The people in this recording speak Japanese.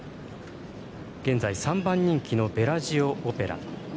現在３番人気のベラジオオペラ。